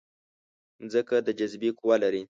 مځکه د جاذبې قوه لري.